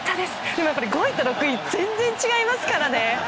でも、５位と６位は全然違いますからね。